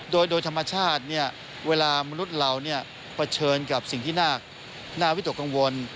โดยธรรมชาติเวลามนุษย์เราเผชิญกับสิ่งที่น่าวิตกกังวล